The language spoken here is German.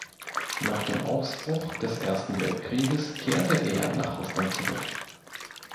Nach dem Ausbruch des Ersten Weltkrieges kehrte er nach Russland zurück.